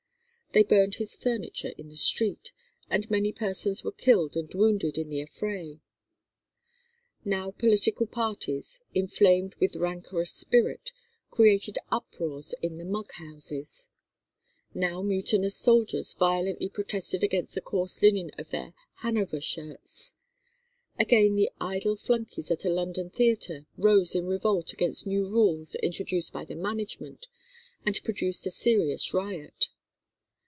They burned his furniture in the street, and many persons were killed and wounded in the affray. Now political parties, inflamed with rancorous spirit, created uproars in the "mug houses;" now mutinous soldiers violently protested against the coarse linen of their "Hanover" shirts; again the idle flunkies at a London theatre rose in revolt against new rules introduced by the management and produced a serious riot.